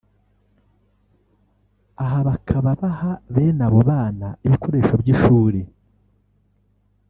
Aha bakaba baha bene abo bana ibikoresho by’ishuri